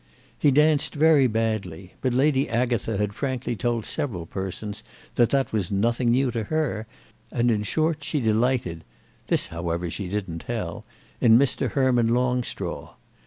He danced very badly; but Lady Agatha had frankly told several persons that that was nothing new to her, and in short she delighted—this, however, she didn't tell—in Mr. Herman Longstraw.